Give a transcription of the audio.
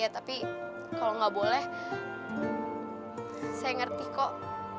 ya tapi kalau gak boleh saya ngerti kok